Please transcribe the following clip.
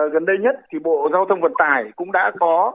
gần đây nhất thì bộ giao thông vận tải cũng đã có